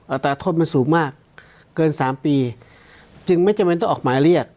อัตราโทษมันสูงมากเกินสามปีจึงไม่จำเป็นต้องออกหมายเรียก